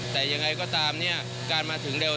แต่ยังไงก็ตามเนี่ยการมาถึงเร็ว